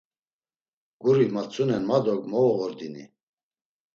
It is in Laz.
Guri matzunen ma do movoğordini.